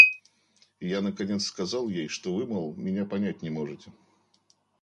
Я наконец сказал ей, что вы, мол, меня понять не можете.